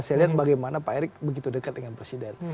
saya lihat bagaimana pak erick begitu dekat dengan presiden